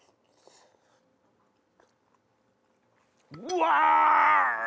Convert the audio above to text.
うわ！